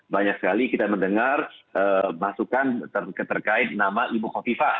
banyak sekali kita mendengar masukan terkait nama ibu kofifa